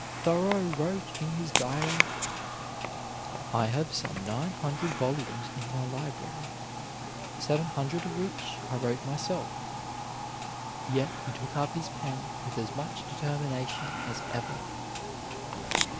Thoreau wrote in his diary: "I have some nine hundred volumes in my library, seven hundred of which I wrote myself." Yet he took up his pen with as much determination as ever.